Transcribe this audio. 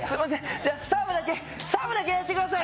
じゃあサーブだけサーブだけやらせてください